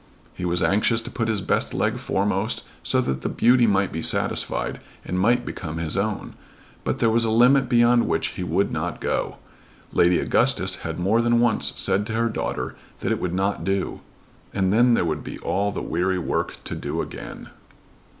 He was anxious to put his best leg foremost so that the beauty might be satisfied and might become his own, but there was a limit beyond which he would not go. Lady Augustus had more than once said to her daughter that it would not do; and then there would be all the weary work to do again!